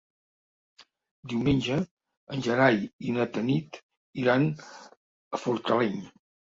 Diumenge en Gerai i na Tanit iran a Fortaleny.